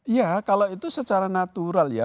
iya kalau itu secara natural ya